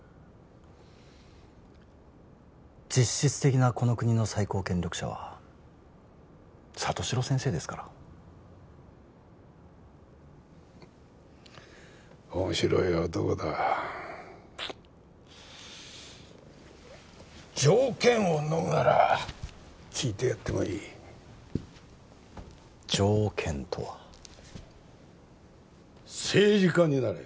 実質的なこの国の最高権力者は里城先生ですから面白い男だ条件をのむなら聞いてやってもいい条件とは政治家になれ